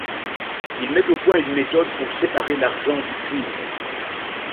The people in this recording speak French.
Il met au point une méthode pour séparer l'argent du cuivre.